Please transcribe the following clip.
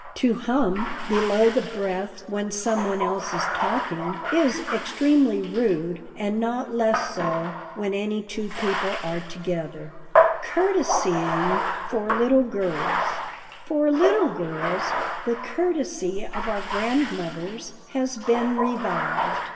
To hum below the breath when some one else is talking is extremely rude, and not less so when any two people are together. [Sidenote: COURTESYING FOR LITTLE GIRLS] For little girls, the courtesy of our grandmothers has been revived.